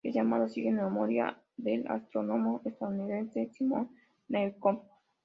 Es llamado así en memoria del astrónomo estadounidense Simon Newcomb.